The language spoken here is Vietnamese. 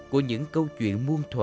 của những câu chuyện muôn thở